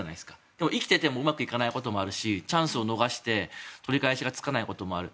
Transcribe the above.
でも生きていてもうまくいかないこともあるしチャンスを逃して取り返しがつかないこともある。